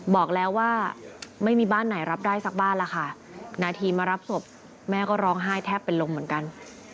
บอกแล้วว่าไม่มีบ้านไหนรับได้สักบ้านแล้วค่ะนาทีมารับศพแม่ก็ร้องไห้แทบเป็นลมเหมือนกัน